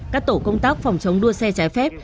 các tổ công tác phòng chống đua xe trái phép